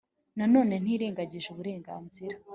nanone ntirengagije uburenganzira